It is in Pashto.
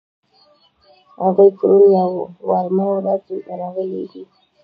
هغوی پرون یا وړمه ورځ دلته راغلي دي.